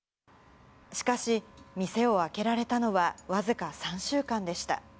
しかし、店を開けられたのは僅か３週間でした。